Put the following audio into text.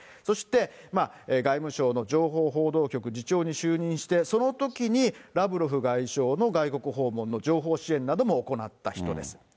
そして、外務省の情報報道局次長に就任して、そのときに、ラブロフ外相の外国訪問の情報支援なども行った人です。